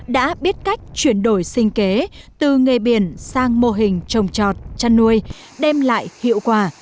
đã biết cách chuyển đổi sinh kế từ nghề biển sang mô hình trồng trọt chăn nuôi đem lại hiệu quả